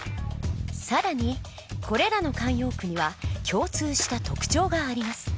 更にこれらの慣用句には共通した特徴があります。